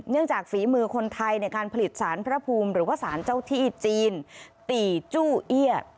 จากฝีมือคนไทยในการผลิตสารพระภูมิหรือว่าสารเจ้าที่จีนตีจู้เอี้ย